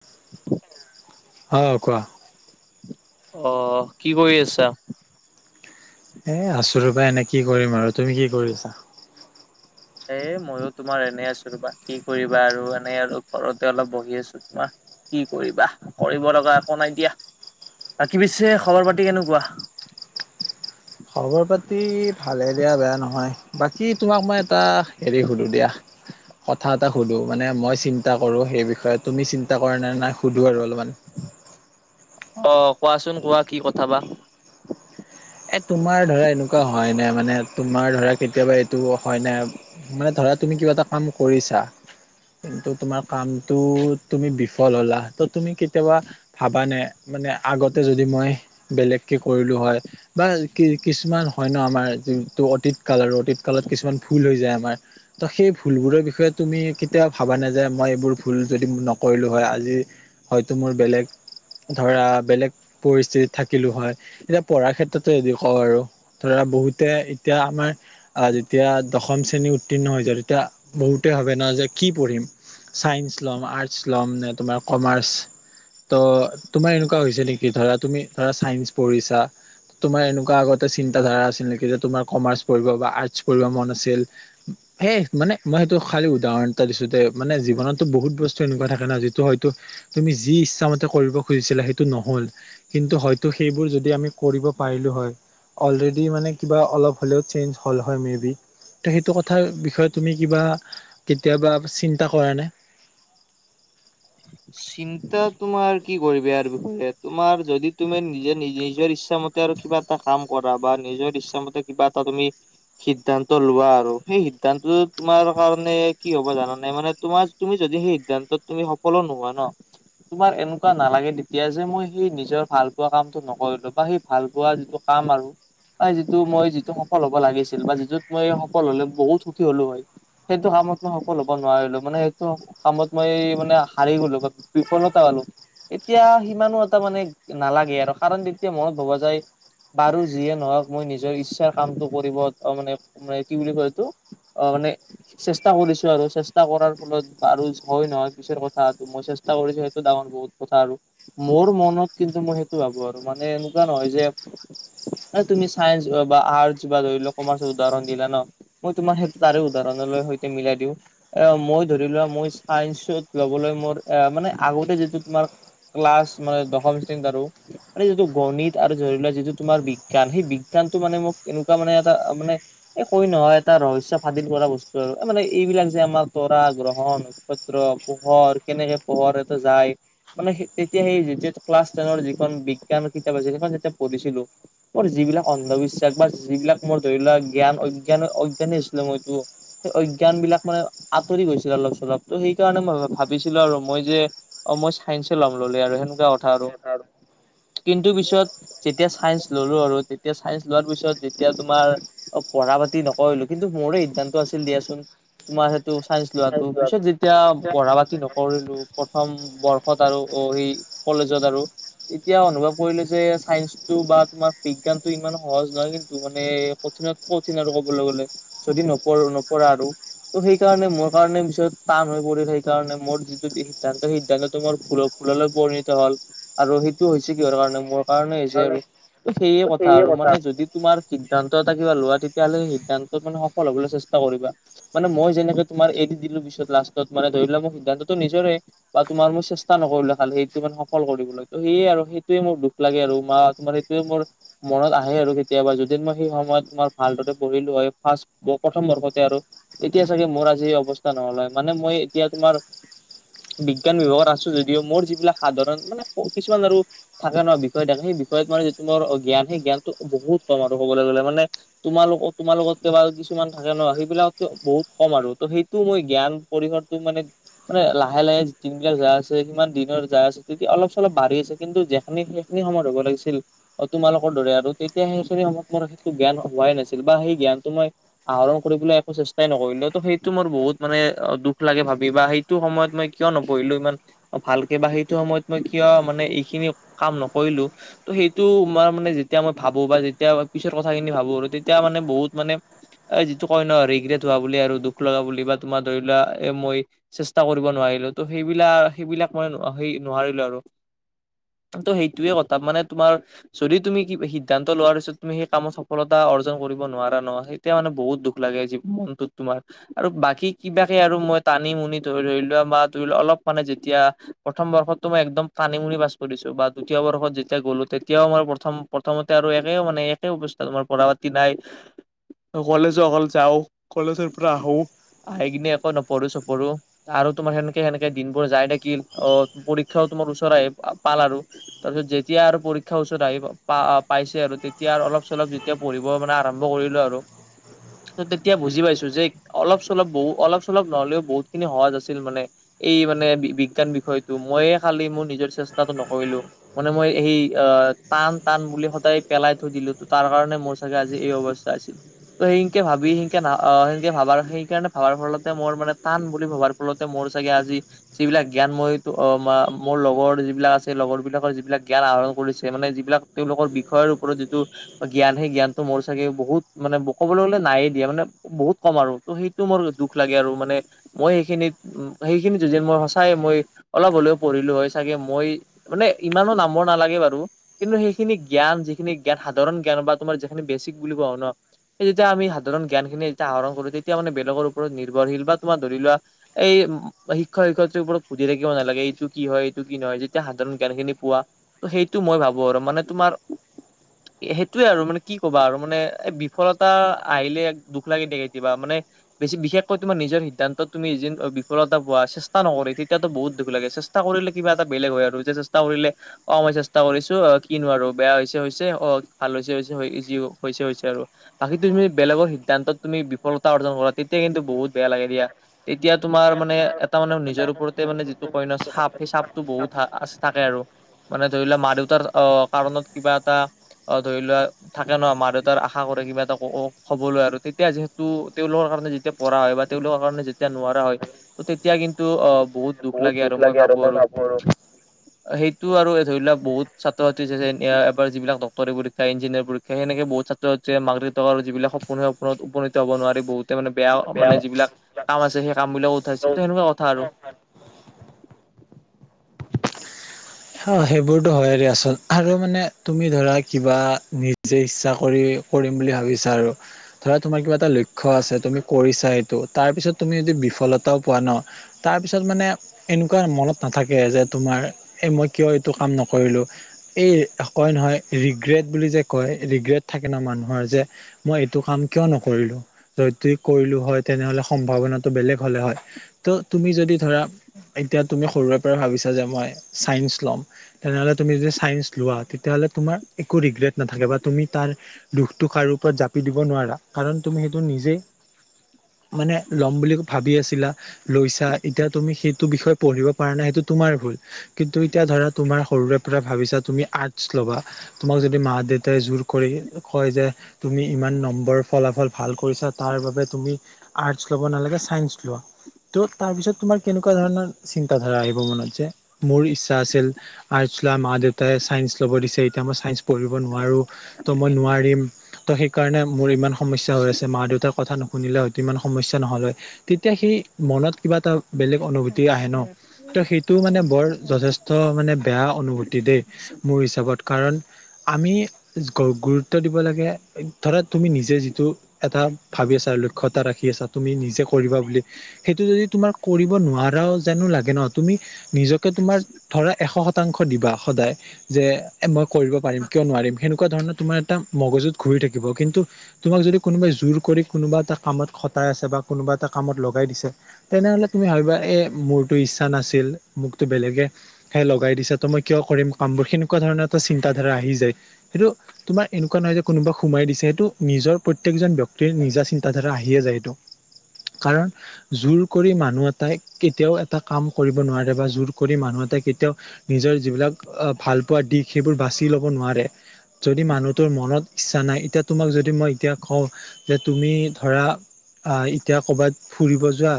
[unintelligible] অঁ কোৱা অ কি কৰি আছা এ আছো ৰবা এনে কি কৰিম আৰু তুমি কি কৰি আছা এ মইও তোমাৰ এনেই আছো ৰবা কি কৰিবা আৰু এনে আৰু ঘৰতে অলপ বহি আছো তোমাৰ কি কৰিবাহ কৰিব লগা একো নাই দিয়া বাকী পিছে খবৰ পাতি কেনুকুৱাহ খবৰ পাতি ভালে দিয়া বেয়া নহয় বাকী তোমাক মই এটা এৰি সুধোঁ দিয়াহ কথা এটা সুধো মানে মই চিন্তা কৰো সেই বিষয়ে তুমি চিন্তা কৰা নে নাই সুধো আৰু অলমান অ কোৱাচোন কোৱা কি কথা বা এই তোমাৰ ধৰা এনেকুৱা হয় নাই মানে তোমাৰ ধৰা কেতিয়াবা এইটো হয় নাই মানে ধৰা তুমি কিবা এটা কাম কৰিছা কিন্তু তোমাৰ কামটো তুমি বিফল হ'লা ত' তুমি কেতিয়াবা ভাবা নে মানে আগতে যদি মই বেলেগকে কৰিলো হয় বা কি কিছুমান হয় ন আমাৰ যিটো অতীত কাল আৰু অতীতকালত কিছুমান ভুল হৈ যায় আমাৰ ত' সেই ভুলবোৰৰ বিষয়ে তুমি কেতিয়া ভাবা নে যে মই এইবোৰ ভুল যদি নকৰিলো হয় আজি হয়তো মোৰ বেলেগ ধৰা বেলেগ পৰিস্থিতিত থাকিলো হয় এতিয়া পঢ়াৰ ক্ষেত্ৰত তে হেৰি খৰ আৰু ধৰা বহুতে এতিয়া আমাৰ আহ যেতিয়া দশম শ্ৰেণী উত্তীৰ্ণ হৈছে তেতিয়া বহুতে ভাবে ন যে কি পঢ়িম চাইন্স ল'ম আৰ্টচ ল'ম নে তোমাৰ কমাৰ্চ ত তোমাৰ এনেকুৱা হৈছে নেকি ধৰা তুমি ধৰা ছাইন্স পঢ়িছা তোমাৰ এনেকুৱা আগতে চিন্তা ধাৰা আছিল নেকি যে তোমাৰ কমাৰ্চ বা আৰ্টচ পঢ়িব মন আছিল এহ মানে মই সেইটো খালী উদাহৰণ এটা দিছো দে মানে জীৱনতো বহুত বস্তু এনেকুৱা থাকে ন যিটো হয়টো তুমি যি ইচ্ছামতে কৰিব খুজিছিলা সেইটো নহল কিন্তু হয়তো সেইবোৰ যদি আমি কৰিব পাৰিলো হয় অলৰেডি মানে কিবা অলপ হলেও চেনজ হল হয় মে বি ত সেইটো কথাৰ বিষয়ে তুমি কিবা কেতিয়াবা চিন্তা কৰা নে চিন্তা তোমাৰ কি কৰিবি আৰু বিয়ে তোমাৰ যদি তুমি নিজে নি নিজৰ ইচ্ছা মতে আৰু কিবা এটা কাম কৰা বা নিজৰ ইচ্ছামতে কিবা এটা তুমি সিদ্ধান্ত লোৱা, আৰু সেই সিদ্ধান্তটো তোমাৰ কাৰণে কি হ'ব, জানা নে মানে তোমাৰ তুমি যদি সেই সিদ্ধান্তত তুমি সফলো নোহোৱা ন তোমাৰ এনেকুৱা নালাগে তেতিয়া যে মই সেই নিজৰ ভাল পোৱা কামটো নকৰিলো বা সেই ভাল পোৱা যিটো কাম আৰু। আই যিটো, মই যিটো সফল হ'ব লাগিছিল, বা যিটোত মই সফল হলে বহুত সুখী হ'লো হয়। সেইটো কামত মই সফল হব নোৱাৰিলো, মানে সেইটো কামত মই মানে আখ হাৰি গলো বা বিফলতা আনো এতিয়া সিমানো এটা মানে নালাগে। আৰু কাৰণ, তেতিয়া মই ভবা যায় বাৰু যিয়ে নহওক মই নিজৰ ইচ্ছাৰ কামটো কৰিব অ মানে মানে কি বুলি কয়, এইটো অ মানে চেষ্টা কৰিছো আৰু চেষ্টা কৰাৰ ফলত আৰুচ হয় নহয় পিছৰ কথ থা মই চেষ্টা কৰিছো সেইটো ডাঙৰ বহুত কথা আৰু মোৰ মনত কিন্তু মই সেইটো ভাবো আৰু মানে এনেকুৱা নহয় যে মানে তুমি চাইন্ঞ্চ আ বা আৰ্টচ বা ধৰি লোৱা কমাৰ্চৰ উদাহৰণ দিলা ন মই তোমাৰ সেইটো তাৰে উদাহৰণলৈ সৈতে মিলাই দিওঁ, এ, মই, ধৰি লোৱা মই চাইচুট ল'বলৈ মোৰ এ মানে আগতে যিটো তোমাৰ ক্লাছ, মানে দশম শ্ৰেণীত, আৰু মানে, যিটো গণিত আৰু জৰিলোৱা যিটো তোমাৰ, বিজ্ঞান সেই বিজ্ঞানটো মানে মোক এনেকুৱা মানে এটা মানে এ কৈ নহয় এটা ৰহস্য ফাদিল কৰা বস্তু আৰু এ মানে এইবিলাক যে আমাৰ তৰা গ্ৰহন নক্ষত্ৰ, পোহৰ, কেনেকে পোহৰ এটা যায় মানে সেই তেতিয়া সেই যেতিয়া ক্লাছ টেনৰ যিখন বিজ্ঞানৰ কিতাপ আছিল, সেইখন যেতিয়া পঢ়িছিলো। মোৰ যিবিলাক অন্ধবিশ্বাস বা যিবিলাক মোৰ ধৰি লোৱা জ্ঞান অজ্ঞান অজ্ঞানী আছিলোঁ মইটো সেই অজ্ঞান বিলাক মানে আঁতৰি গৈছিল অলপ - চলপ ত' সেইকাৰণে মই ভাবোঁ ভাবিছিলো আৰু মই যে অ মই চাইন্সে লম ল'লে আৰু সেনেকুৱা কথা আৰু নে? কিন্তু পিছত যেতিয়া চাইন্স ল'লো আৰু তেতিয়া চাইন্স লোৱাৰ পিছত যেতিয়া তোমাৰ অ পঢ়া-পাতি নকৰিলোঁ। কিন্তু মোৰে সিদ্ধান্ত আছিল দিয়াচোন। তোমাৰ সেইটো চাইন্স লোৱাটো পিছত যেতিয়া পঢ়া পাতি নকৰিলোঁ, প্ৰথম বৰ্ষত আৰু অ সেই কলেজত আৰু তেতিয়া অনুভৱ কৰিলোঁ যে চাইন্সটো বা তোমাৰ বিজ্ঞানটো ইমান সহজ নহয় কিন্তু মানে কঠিনত কঠিন আৰু ক'বলে গ'লে। যদি নপঢ়ো নপঢ়া আৰু ত' সেইকাৰণে মোৰ কাৰণে পিছত টান হৈ পৰিল সেই সেইকাৰণে মোৰ যিটো সিদ্ধান্ত সিদ্ধান্তটো মোৰ ভুল ভুললৈ পৰিণত হ'ল। আৰু সেইটো হৈছে কিহৰ কাৰণে মোৰ কাৰণে হৈছে আৰু ত' সেয়ে কথা আৰু মানে যদি তোমাৰ সিদ্ধান্ত এটা কিবা লোৱা তেতিয়াহ'লে সেই সিদ্ধান্তত মানে সফল হ'বলৈ চেষ্টা কৰিবা। মানে মই যেনেকে তোমাৰ এৰি দিলোঁ পিছত লাষ্টত মানে ধৰি লোৱা মোৰ সিদ্ধান্তটো নিজৰে বা তোমাৰ মই চেষ্টা নকৰিলোঁ খালি সেইটো মানে সফল কৰিবলৈ। ত' সেয়ে আৰু সেইটোৱে মোৰ দুখ লাগে আৰু মা তোমাৰ সেইটোৱে মোৰ মনত আহে আৰু কেতিয়াবা যদি মই সেই সময়ত তোমাৰ ভালদৰে পঢ়িলোঁ হয় ফাৰ্ষ্ট প প্ৰথম বৰ্ষতে আৰু তেতিয়া চাগে মোৰ আজি এই অৱস্থা নহ'ল হয়। মানে মই এতিয়া তোমাৰ বিজ্ঞান বিভাগত আছোঁ যদিও মোৰ যিবিলাক সাধাৰণ মানে কিছুমান আৰু থাকে নহয় বিষয় থাকে, সেই বিষয়ত মানে যিটো মোৰ জ্ঞান সেই জ্ঞানটো বহুত কম আৰু ক'বলে গ'লে মানে তোমালোক তোমাৰ লগতকে বা কিছুমান থাকে ন' সেইবিলাকতকে বহুত কম আৰু ত' সেইটো মই জ্ঞান পৰিসৰ টো মানে মানে লাহে লাহে যি দিন বিলাক যায় আছে সিমান দিনৰ যায় আছে তেতিয়া অলপ - চলপ বাঢ়ি গৈছে কিন্তু আমি সেইখিনি সময়ত ৰ'ব লাগিছিল। অ তোমালোকৰ দৰে আৰু তেতিয়া সেইখিনি সময়ত মোৰ সেইটো জ্ঞান হোৱাই নাছিল বা সেই জ্ঞানটো মই আহৰণ কৰিবলৈ একো চেষ্টাই নকৰিলোঁ। ত' সেইটো মোৰ বহুত মানে অ দুখ লাগে ভাবি বা সেইটো সময়ত মই কিয় নপঢ়িলোঁ ইমান অ ভালকে বা সেইটো সময়ত মই কিয় মানে এইখিনি কাম নকৰিলোঁ। ত' সেইটো তোমাৰ মানে যেতিয়া মই ভাবোঁ বা যেতিয়া মই পিছৰ কথাখিনি ভাবোঁ আৰু তেতিয়া মানে বহুত মানে এ যিটো কয় ন' ৰিগ্ৰেট হোৱা বুলি আৰু দুখ লগা বুলি বা তোমাৰ ধৰি লোৱা এ মই চেষ্টা কৰিব নোৱাৰিলোঁ। ত' সেইবিলাক সেইবিলাক মই অ সেই নোৱাৰিলোঁ আৰু। তহঁতৰ সেইটোৱে কথা মানে তোমাৰ যদি তুমি কি সিদ্ধান্ত লোৱাৰ পিছত তুমি সেই কামত সফলতা অৰ্জন কৰিব নোৱাৰা নহয় সেই তেতিয়া মানে বহুত দুখ লাগে যি মনটোত তোমাৰ আৰু বাকী কিবাকে আৰু মই টানি মুনি ধৰি ধৰি লোৱা বা ধৰি লোৱা অলপ মানে যেতিয়া প্ৰথম বৰ্ষতটো মই একদম টানি মুনি পাছ কৰিছোঁ বা দ্বিতীয় বৰ্ষত যেতিয়া গ'লো তেতিয়াও মই প্ৰথম প্ৰথমতে আৰু একে মানে একে অৱস্থা তোমাৰ পঢ়া পাতি নাই। আৰু কলেজো অকল যাওঁ কলেজৰ পৰা আহো আহি কিনে একো নপঢ়ো চপঢ়ো। আৰু তোমাৰ হেনেকে হেনেকে দিনবোৰ যাই থাকিল অ পৰীক্ষাও তোমাৰ ওচৰ আহি পাল আৰু। তাৰপিছত যেতিয়া আৰু পৰীক্ষাৰ ওচৰত আহি পা অ পাইছে আৰু তেতিয়া আৰু অলপ চলপ যে যেতিয়া পঢ়িব মানে আৰম্ভ কৰিলোঁ আৰু। ত' তেতিয়া বুজি পাইছোঁ যে অলপ চলপ বহু অলপ চলপ নহ'লেও বহুত খিনি সহজ আছিল মানে এই মানে বি বিজ্ঞান বিষয়টো ময়ে খালি মোৰ নিজৰ চেষ্টাটো নকৰিলোঁ। মানে মই সেই অ টান-টান বুলি সদায় পেলাই থৈ দিলো, ত তাৰ কাৰণে মোৰ চাগে আজি এই অৱস্থা আ ছিল ত' সেইনকে ভাবি, সেনকে না সেনকে ভাবাৰ, সেইকাৰণে ভাবাৰ ফলত। মোৰ মানে টান বুলি ভবাৰ ফলতে মোৰ চাগে আজি যিবিলাক জ্ঞান মই মোৰ লগৰ যিবিলাক আছে লগৰ বিলাকৰ যিবিলাক জ্ঞান আহৰণ কৰিছে মানে যিবিলাক তেওঁলোকৰ বিষয়ৰ ওপৰত যিটো জ্ঞান সেই জ্ঞানটো মোৰ থাকে বহুত মানে ক'বলৈ গ'লে নায়েই দিয়া মানে বহুত কম আৰু সেইটো মোৰ দুখ লাগে আৰু মানে মই সেইখিনিত সেইখিনিত জুদিন মই সঁচাই মই অলপ হলেও পঢ়িলো হয় চাগে মই মানে ইমানো নাম্বৰ নালাগে বাৰু কিন্তু সেইখিনি জ্ঞান যিখিনি জ্ঞান সাধাৰণ জ্ঞান বা তোমাৰ যিখিনি বেচিক বুলি কোৱা হয় ন সেই যেতিয়া আমি সাধাৰণ জ্ঞান খিনি যেতিয়া আহৰ কৰো তেতিয়া মানে বেলেগৰ ওপৰত নিৰ্ভশীল বা তোমাৰ ধৰি লোৱা এই শিক্ষক শিক্ষয়িত্ৰী ওপৰত সুধি থাকিব নালাগে এইটো কি হয় এইটো কি নহয় যেতিয়া সাধাৰণ জ্ঞানখিনি পোৱা ত সেইটো মই ভাবো আৰু মানে তোমাৰ সেইটোৱে আৰু মানে কি কবা আৰু মানে এই বিফলতা আহিলে এক দুখ লাগি দে কেতিয়াবা মানে বেছি বিশেষকৈ তোমাৰ নিজৰ সিদ্ধান্তত তুমি এদিন বিফলতাপোৱা চেষ্টা নকৰে তেতিয়াতো বহুত দুখ লাগে চে চেষ্টা কৰিলে কিবা এটা বেলেগ হয় আৰু এতিয়া চেষ্টা কৰিলে অ মই চেষ্টা কৰিছো অ কিনো আৰু বেয়া হৈছে হৈছে অ ভাল হৈছে হৈছে যি হৈছে হৈছে আৰু বাকী তুমি বেলেগৰ সিদ্ধান্ত তুমি বিফলতা অৰ্জন কৰা তেতিয়া কিন্তু বহুত বেয়া লাগে দিয়া তেতিয়া তোমাৰ মানে এটা মানে নিজৰ ওপৰতে মানে যিটো কইন চাপ সেই চাপটো বহুত আছ থাকে আৰু মানে ধৰি লোৱা মা দেউতাৰ অ কাৰণত কিবা এটা অ ধৰি লোৱা থাকে ন মা দেউতাৰ আশা কৰে কিবা এটা অ অ হ'বলৈ আৰু তেতিয়া যিহেতু তেওঁলোকৰ কাৰণে পঢ়া হয় বা তেওঁলোকৰ কাৰণে যেতিয়া নোৱাৰা হয় তেতিয়া কিন্তু অ বহুত বহুত দুখ লাগে আৰু মই ভাবো আৰু সেইটো আৰু ধৰি লোৱা বহুত ছাত্ৰ ছাত্ৰী আছে এবাৰ যিবিলাক ডাক্তৰী পৰীক্ষা ইঞ্জিনিয়াৰ পৰীক্ষা সেনেকে বহুত ছাত ছাত্ৰ ছাত্ৰীযে মাক দেউতাকে যিবিলাক সপোন আছে সপোনত উপনীত হব নোৱাৰে বহুতে মানে বেয়া অ মানে যিবিলাক কাম আছে সেই কাম বিলাক উঠাইছে সেনেকোৱা কথা আৰু অহ সেইবোৰটো হয়ে দিয়াচোন আৰু মানে তুমি ধৰা কিবা নিজে ইচ্ছা কৰি কৰিম বুলি ভাবিছা আৰু ধৰা তোমাৰ কিবা এটা লক্ষ্য আছে তুমি কৰিছা এটো তাৰপিছত তুমি যদি বিফলতাও পোৱা ন তাৰপিছত মানে এনেকুৱা মনত নাথাকে যে তোমাৰ এই মই কিয় এইটো কাম নকৰিলো এই কয় নহয় ৰিগ্ৰেট বুলি যে কয় ৰিগ্ৰেট থাকে ন মানুহৰ যে মই এইটো কাম কিয় নকৰিলো যদি কৰিলো হয় তেনেহলে সম্ভাৱনাটো বেলেগ হলে হয় ত' তুমি যদি ধৰা এতিয়া তুমি সৰুৰে পৰা ভাবিছা যে মই চাইন্স লম তেনেহলে তুমি যে চাইন্স লোৱা তেতিয়া হলে তোমাৰ একো ৰিগ্ৰেট নাথাকে বা তুমি তাৰ দুখটো কাৰো ওপৰত জাপি দিব নোৱাৰা কাৰণ তুমি সেইটো নিজেই মানে ল'ম বুলি ভাবি আছিলা লৈছা এতিয়া তুমি সেইটো বিষয়ে পঢ়িব পাৰা নাই সেইটো তোমাৰ ভুল কিন্তু এতিয়া ধৰা তুমাৰ সৰুৰে পৰা ভাবিছা তুমি আৰ্টছ ল'বা তোমাক যদি মা দেউতাই জোৰ কৰি কয় যে তুমি ইমান নম্বৰ ফলাফল ভাল কৰিছা তাৰ বাবে তুমি আৰ্টছ ল'ব নালাগে চাইন্স লোৱা ত' তাৰ পিছত তোমাৰ কেনেকুৱা ধৰণৰ চিন্তা ধাৰা আহিব মনত যে মোৰ ইচ্ ছা আছিল আৰ্টছ লোৱা মা দেউতাই চাইন্স ল'ব দিছে এতিয়া মই চাইন্স পঢ়িব নোৱাৰো ত' মই নোৱাৰিম ত সেইকাৰণে মোৰ ইমান সমস্যা হৈ আছে। মা দেউতাৰ কথা নুশুনিলে হয়তো ইমান সমস্যা নহল হয়। তেতিয়া সি মনত কিবা এটা বেলেগ অনুভূতি আহে ন। ত সেইটোও মানে বৰ যথেষ্ট। ত মানে বেয়া অনুভূতি দেই, মোৰ হিচাপত কাৰণ আমি গুৰুত্ব দিব লাগে। ধৰা তুমি নিজে যিটো এটা ভাবি আছা, লক্ষ্য এটা ৰাখি আছা, তুমি নিজে কৰিবা বুলি। সেইটো যদি তোমাৰ কৰিব নোৱাৰাও যেনো লাগে ন, তুমি নিজকে তোমাৰ ধৰা এশ শতাংশ দিবা সদায়। যে মই কৰিব পাৰিম, কিয় নোৱাৰিম। সেনেকুৱা ধৰণৰ তোমাৰ এটা মগজুত ঘূৰি থাকিব। কিন্তু তোমাক যদি কোনোবাই জোৰ কৰি কোনোবা এটা কামত খটাই আছে বা কোনোবা এটা কামত লগাই দিছে। তেনেহলে তুমি ভাবিবা, এ মোৰতো ইচ্ছা নাছিল, মোকতো বেলেগে সে লগাই দিছে ত মই কিয় কৰিম কাম বোৰ। সেনেকুৱা ধৰণৰ এটা চিন্তা ধাৰা আহি যায়। সেইটো তোমাৰ এনেকুৱা নহয় যে কোনোবা সোমাই দিছে। সেইটো নিজৰ প্ৰত্যেকজন ব্যক্তিৰ নিজা চিন্তাধাৰা আহিয়ে যায় সেইটো। কাৰণ জোৰ কৰি মানুহ এটাই কেতিয়াও এটা কাম কৰিব নোৱাৰে বা জোৰ কৰি মানুহ এটাই কে তেওঁ নিজৰ যিবিলাক ভাল পোৱা দিশ, সেইবোৰ বাচি ল'ব নোৱাৰে। যদি মানুহটোৰ মনত ইচ্ছা নাই। এতিয়া তোমাক যদি মই এতিয়া কওঁ? যে, তুমি ধৰা এতিয়া ক'ৰবাত ফুৰিব যোৱা।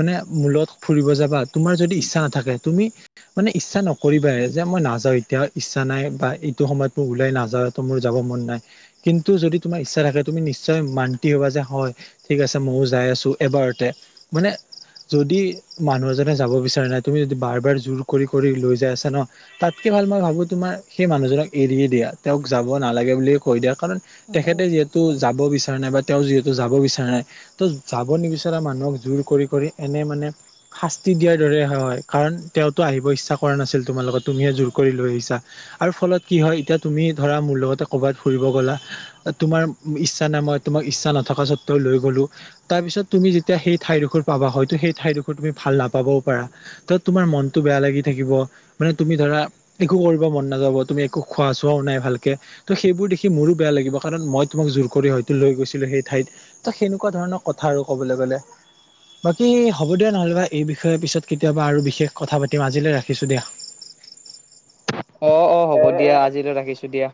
মানে মোৰ লগত ফুৰিব যাবা? তোমাৰ যদি ইচ্ছা নাথাকে, তুমি মানে ইচ্ছা নকৰিবাই, যে মই নাযাওঁ এতিয়া, ইচ্ছা নাই বা এইটো সময়ত মোৰ ওলাই নাযাও, এটো মোৰ যাব মন নাই। কিন্তু যদি তোমাৰ ইচ্ছা থাকে, তুমি নিশ্চয় মান্তি হবা যে হয়। ঠিক আছে ময়ো যাই আছো এবাৰতে, মানে যদি মানুহ এজনে যাব বিচৰা নাই। তুমি যদি বাৰ বাৰ জোৰ কৰি কৰি লৈ যাই আছা ন? তাতকে ভাল মই ভাবো তোমাৰ সেই মানুহজনক এৰিয়ে দিয়া। তেওঁক যাব নালাগে বুলিয়ে কৈ দিয়া। কাৰণ তেখেতে যিহেতু যাব বিচৰা নাই বা তেওঁ যিহেতু যাব বিচৰা নাই। ত' যাব নিবিচৰা মানুহক জোৰ কৰি কৰি এনে মানে শাস্তি দিয়াৰ দৰে হয় কাৰণ তেওঁ তো আহিব ইচ্ছা কৰা নাছিল তোমাৰ লগত। তুমিয়ে জোৰ কৰি লৈ আহিছা? আৰু ফলত কি হয়, এতিয়া তুমি ধৰা মোৰ লগতে ক'বাত ফুৰিব গ'লা? তোমাৰ ইচ্ছা নাই, মই তোমাক ইচ্ছা নথকা স্বত্তেও লৈ গলো। তাৰপিছত তুমি যেতিয়া সেই ঠাইডোখৰ পাবা। হয়তো সেই ঠাইডোখৰ তুমি ভাল নাপাবও পাৰা। তাত তোমাৰ মনটো বেয়া লাগি থাকিব। মানে তুমি ধৰা, একো কৰিব মন নাযাব। তুমি একো খোৱা চোৱাও নাই ভালকে। ত' সেইবোৰ দেখি মোৰো বেয়া লাগিব কাৰণ মই তোমাক জোৰ কৰি হয়তো লৈ গৈছিলো সেই ঠাইত। ত সেনেকুৱা ধৰণৰ কথা আৰু কবলে গলে। বাকী হ'ব দিয়া নহলে বা এই বিষয়ে পিছত কেতিয়াবা আৰু বিশেষ কথা পাতিম। আজিলৈ ৰাখিছো দিয়া। অ অ, হ'ব দিয়া, আজিলৈ ৰাখিছো দিয়া।